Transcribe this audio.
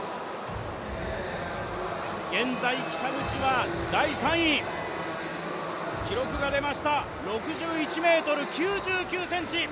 現在北口は第３位、記録が出ました、６１ｍ９９ｃｍ。